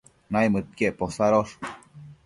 naimëdquiec posadosh